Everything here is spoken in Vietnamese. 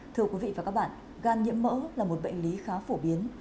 thưa quý vị và các bạn gan nhiễm mỡ là một bệnh lý khá phổ biến